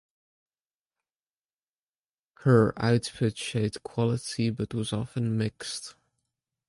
Her output showed quality but was often mixed.